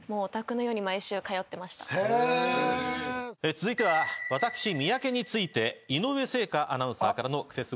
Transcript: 続いては私三宅について井上清華アナウンサーからのクセスゴリークです。